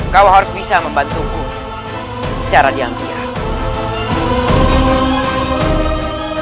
kau harus bisa membantuku secara diam diam